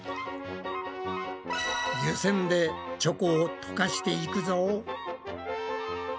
湯せんでチョコをとかしていくぞ！